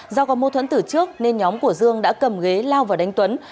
do có mô thuẫn từ trước nên nhóm của dương đã cầm ghế lao vào đánh tuấn